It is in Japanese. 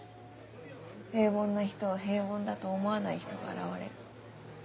平凡な人を平凡だと思わない人が現れる。